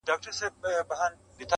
د ځوانيمرگ د هر غزل په سترگو کي يم_